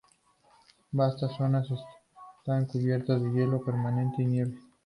Vastas zonas están cubiertas de hielo permanente y nieve.